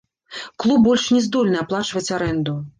Клуб больш не здольны аплачваць арэнду.